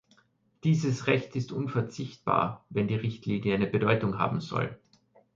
Dieses Recht ist unverzichtbar, wenn die Richtlinie eine Bedeutung haben soll.